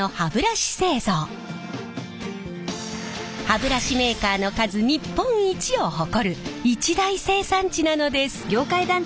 歯ブラシメーカーの数日本一を誇る一大生産地なのです。